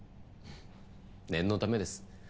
念のためです。